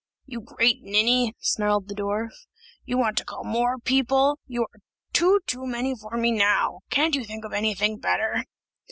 "You great ninny!" snarled the dwarf, "you want to call more people; you are two too many for me now. Can't you think of anything better?"